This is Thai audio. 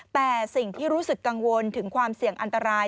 แต่สิ่งที่รู้สึกกังวลถึงความเสี่ยงอันตราย